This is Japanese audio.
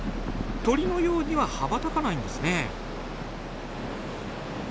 鳥のようには羽ばたかないんですね。